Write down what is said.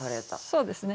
そうですね。